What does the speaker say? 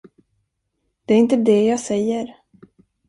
Det är inte det jag säger.